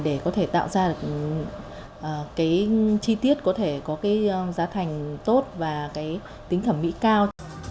để có thể tạo ra được cái chi tiết có thể có cái giá thành tốt và cái tính thẩm mỹ cao